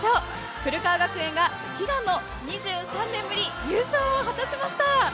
古川学園が悲願の２３年ぶり、優勝を果たしました。